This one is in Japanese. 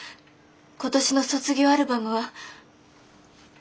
今年の卒業アルバムは。